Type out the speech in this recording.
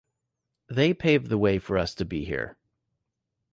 They paved the way for us to be here.